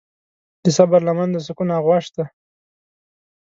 د صبر لمن د سکون آغوش ده.